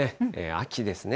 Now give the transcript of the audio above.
秋ですね。